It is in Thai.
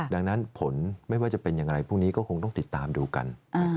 ดังนั้นผลไม่ว่าจะเป็นอย่างไรพรุ่งนี้ก็คงต้องติดตามดูกัน